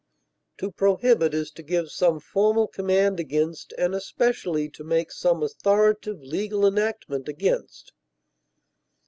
To prohibit is to give some formal command against, and especially to make some authoritative legal enactment against.